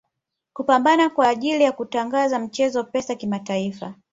Kupambana kwa ajili ya kuwatangaza mchezo Pesa kimataifa